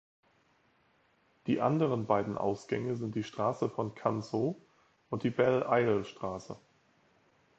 Die anderen beiden Ausgänge sind die Straße von Canso und die Belle-Isle-Straße.